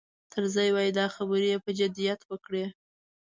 طرزي وایي دا خبرې یې په جدیت وکړې.